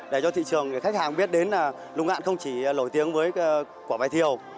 để cho thị trường để khách hàng biết đến là lục ngạn không chỉ lổi tiếng với quả bài thiều